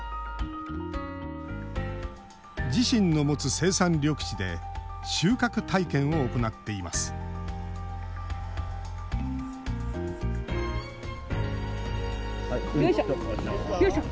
自身の持つ生産緑地で収穫体験を行っていますよいしょ！